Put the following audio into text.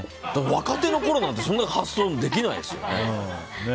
若手のころなんてそんな発想、できないですよ。